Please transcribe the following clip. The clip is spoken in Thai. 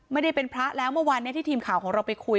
ไม่ได้เป็นพระแล้วเมื่อวานนี้ที่ทีมข่าวของเราไปคุย